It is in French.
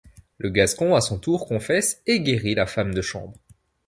Le Gascon à son tour confesse et guérit la femme de chambre.